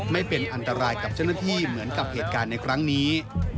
ไม่เป็นอันตรายกับเจ้าหน้าที่เหมือนกับเหตุการณ์ในครั้งนี้